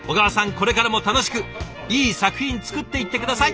これからも楽しくいい作品作っていって下さい。